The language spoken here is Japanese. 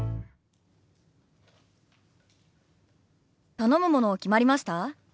頼むもの決まりました？